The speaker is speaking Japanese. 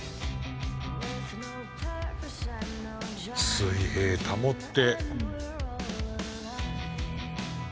水平保って。